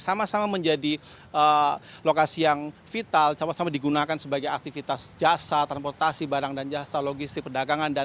sama sama menjadi lokasi yang vital sama sama digunakan sebagai aktivitas jasa transportasi barang dan jasa logistik perdagangan